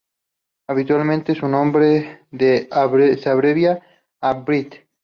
Habitualmente su nombre se abrevia a "brett".